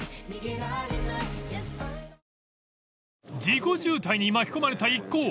［事故渋滞に巻き込まれた一行。